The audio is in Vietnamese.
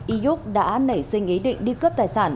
youk đã nảy sinh ý định đi cướp tài sản